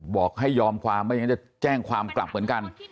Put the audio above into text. บอกให้ยอมความไม่อย่างนั้นจะแจ้งความกลับเหมือนกัน